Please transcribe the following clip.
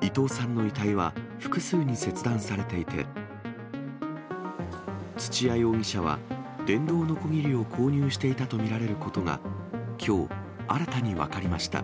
伊藤さんの遺体は複数に切断されていて、土屋容疑者は、電動のこぎりを購入していたと見られることがきょう、新たに分かりました。